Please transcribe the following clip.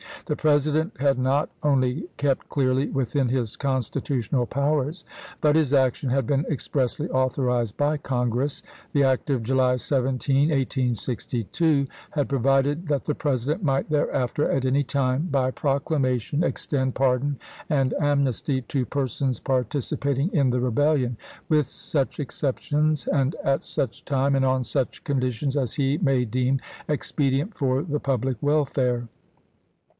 The President had not only kept clearly within his Constitutional powers, but his action had been expressly authorized by Congress. The act of July 17, 1862, had provided that the President might thereafter at any time, by proclamation, extend pardon and amnesty to per sons participating in the Rebellion, "with such exceptions and at such time and on such conditions as he may deem expedient for the public welfare."